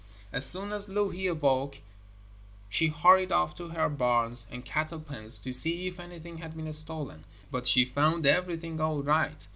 As soon as Louhi awoke she hurried off to her barns and cattle pens to see if anything had been stolen, but she found everything all right.